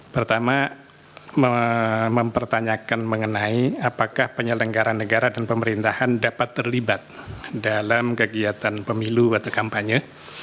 pertama mempertanyakan mengenai apakah penyelenggara negara dan pemerintahan dapat terlibat dalam kegiatan pemilu atau kampanye